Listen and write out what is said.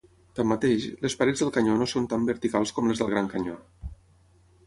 Tanmateix, les parets del canyó no són tan verticals com les del Gran Canyó.